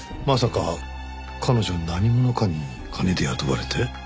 まさか彼女何者かに金で雇われて？